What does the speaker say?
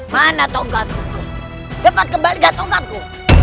mana tongkatku cepat kembalikan tongkatku